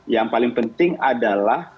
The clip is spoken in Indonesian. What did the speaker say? yang paling penting adalah